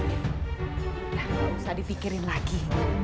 udah gak usah dipikirin lagi